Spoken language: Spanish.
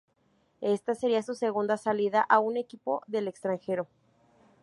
Esta sería su segunda salida a un equipo del extranjero.